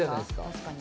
確かに。